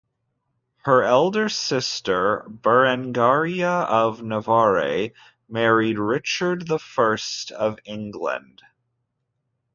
Her elder sister Berengaria of Navarre married Richard the First of England.